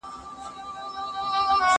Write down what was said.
نه يې لاس و نه يې سترگه د زوى مړي